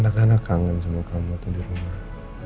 anak anak kangen semua kamu tuh di rumah